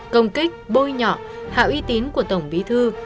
công kích bôi nhọ hạo y tín của tổng bí thư